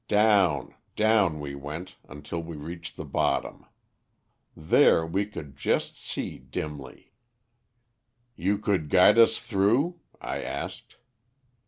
Down, down we went until we reached the bottom. There we could just see dimly. "'You could guide us through?' I asked.